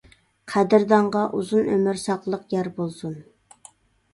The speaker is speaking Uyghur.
قەدىردانغا ئۇزۇن ئۆمۈر، ساقلىق يار بولسۇن.